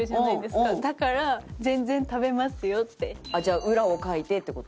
じゃあ裏をかいてって事？